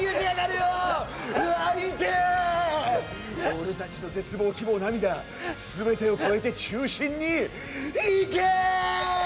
俺達の絶望希望涙全てをこえて中心にいけー！